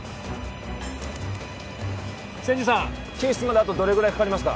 千住さん救出まであとどれぐらいかかりますか？